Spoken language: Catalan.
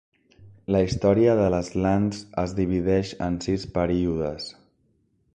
La història de les Lands es divideix en sis períodes.